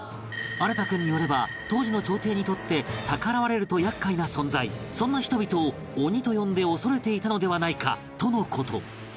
創君によれば当時の朝廷にとって逆らわれると厄介な存在そんな人々を鬼と呼んで恐れていたのではないかとの事